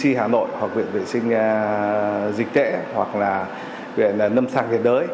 cdc hà nội hoặc viện vệ sinh dịch tễ hoặc là viện nâm sang thế đới